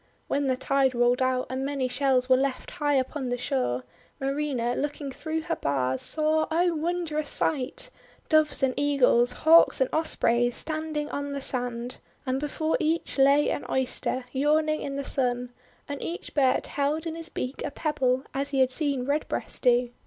WTien the tide rolled out, and many shells were left high upon the shore, Marina, looking through her bars, saw — oh, wondrous sight! — PAN'S SONG 103 Doves and Eagles, Hawks and Ospreys, standing on the sand, and before each lay an Oyster, yawning in the Sun, and each bird held in his beak a pebble, as he had seen Redbreast do.